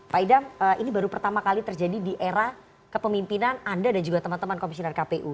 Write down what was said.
pak idam ini baru pertama kali terjadi di era kepemimpinan anda dan juga teman teman komisioner kpu